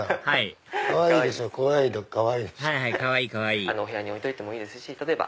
はいかわいいでしょ。